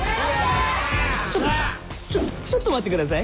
ちょっとちょっとちょっと待ってください